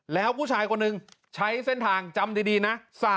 แล้วผู้ชายคนหนึ่งใช้เส้นทางจำดีนะ